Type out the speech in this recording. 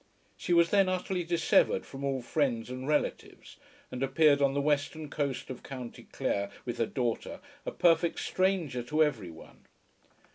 She was then utterly dissevered from all friends and relatives, and appeared on the western coast of County Clare with her daughter, a perfect stranger to every one.